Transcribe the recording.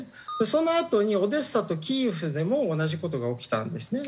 そのあとにオデーサとキーウでも同じ事が起きたんですね。